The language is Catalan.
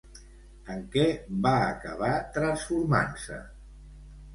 En què va acabar transformant-se?